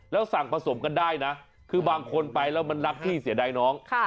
แล้วสั่งผสมกันได้นะคือบางคนไปแล้วมันรักพี่เสียดายน้อง